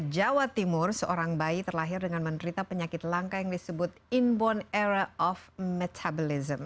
di jawa timur seorang bayi terlahir dengan menerita penyakit langka yang disebut inborn era of metabolism